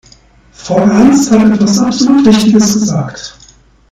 Frau Ernst hat etwas absolut Richtiges gesagt.